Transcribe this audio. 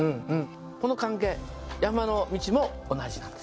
この関係山の道も同じなんですよ。